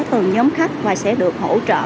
từng nhóm khách và sẽ được hỗ trợ